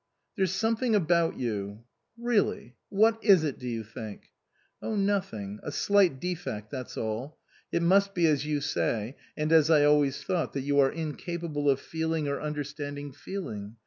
" There's something about you "" Really ? What is it, do you think ?"" Oh, nothing ; a slight defect, that's all. It must be as you say, and as I always thought, that you are incapable of feeling or understand ing feeling.